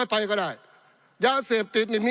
ปี๑เกณฑ์ทหารแสน๒